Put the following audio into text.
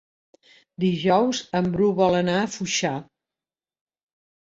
Dijous en Bru vol anar a Foixà.